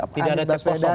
tidak ada cas beda